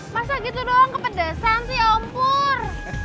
masa gitu doang kepedesan sih om pur